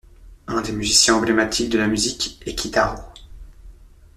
Un des musiciens emblématiques de la musique est Kitaro.